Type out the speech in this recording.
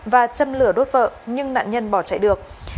và châm lửa đốt vợ nhưng nạn nhân bỏ chạy được